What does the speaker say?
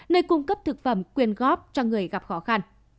nơi cung cấp thực phẩm quyền góp cho người gặp khó khăn